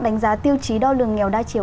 đánh giá tiêu chí đo lường nghèo đa chiều